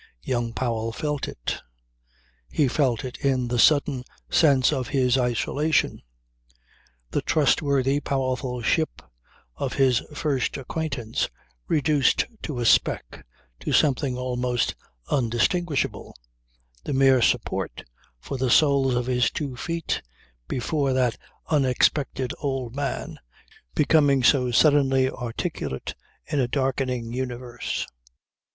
Young Powell felt it. He felt it in the sudden sense of his isolation; the trustworthy, powerful ship of his first acquaintance reduced to a speck, to something almost undistinguishable, the mere support for the soles of his two feet before that unexpected old man becoming so suddenly articulate in a darkening universe.